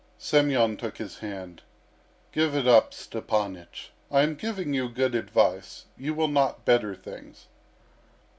Semyon took his hand. "Give it up, Stepanych. I am giving you good advice. You will not better things..."